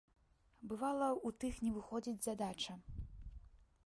Бывала, у тых не выходзіць задача.